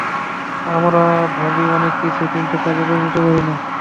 আমরা ভাবি অনেক কিছু, কিন্তু কাজে পরিণত করি না।